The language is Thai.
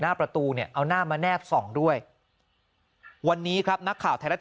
หน้าประตูเนี่ยเอาหน้ามาแนบส่องด้วยวันนี้ครับนักข่าวไทยรัฐ